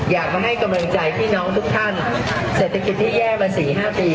อยากมาให้กำลังใจพี่น้องทุกท่านเสร็จประกอบที่แย่มประสี